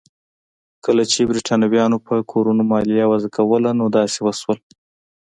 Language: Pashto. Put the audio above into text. کله چې برېټانویانو په کورونو مالیه وضع کوله نو داسې وشول.